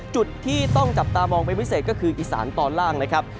จุดที่ต้องจับตามองเป็นพิเศษก็คืออีสานตอนล่างนะครับ